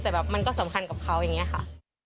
แต่แบบมันก็สำคัญกับเขาอย่างนี้ค่ะ